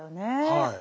はい。